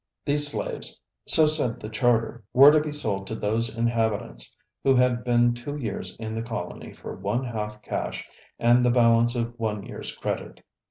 These slaves, so said the charter, were to be sold to those inhabitants who had been two years in the colony for one half cash and the balance on one year's credit.